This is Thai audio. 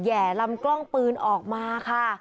แห่ลำกล้องปืนออกมาค่ะ